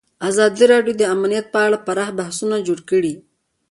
ازادي راډیو د امنیت په اړه پراخ بحثونه جوړ کړي.